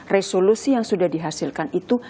resolusi yang sudah dihasilkan itu